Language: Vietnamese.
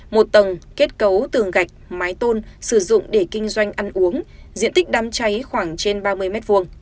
một tầng kết cấu tường gạch mái tôn sử dụng để kinh doanh ăn uống diện tích đám cháy khoảng trên ba mươi m hai